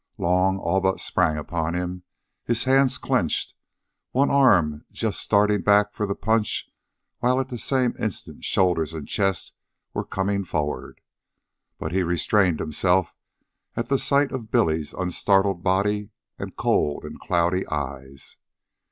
Long all but sprang upon him, his hands clenched, one arm just starting back for the punch while at the same instant shoulders and chest were coming forward. But he restrained himself at sight of Billy's unstartled body and cold and cloudy eyes.